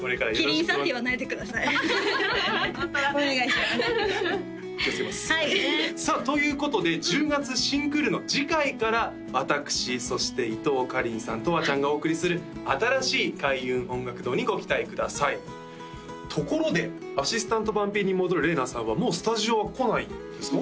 気をつけますさあということで１０月新クールの次回から私そして伊藤かりんさんとわちゃんがお送りする新しい開運音楽堂にご期待くださいところでアシスタント番Ｐに戻るれいなさんはもうスタジオは来ないんですか？